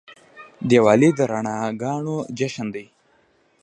دیوالي د رڼاګانو جشن دی.